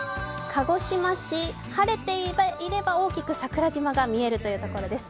鹿児島市、晴れていれば大きく桜島が見えるというところです。